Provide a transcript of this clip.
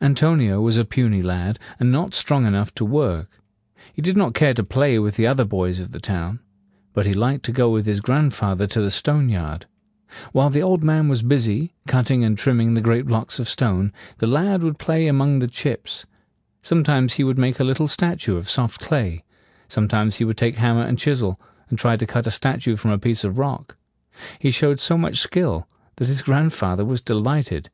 An to ni o was a puny lad, and not strong enough to work. He did not care to play with the other boys of the town. But he liked to go with his grandfather to the stone yard. While the old man was busy, cutting and trimming the great blocks of stone, the lad would play among the chips. Sometimes he would make a little statue of soft clay; sometimes he would take hammer and chisel, and try to cut a statue from a piece of rock. He showed so much skill that his grandfather was de light ed.